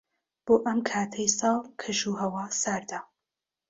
بۆ ئەم کاتەی ساڵ، کەشوهەوا ساردە.